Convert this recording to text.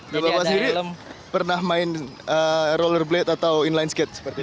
bapak sendiri pernah main rollerblade atau inline skate seperti ini